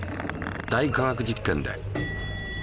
「大科学実験」で。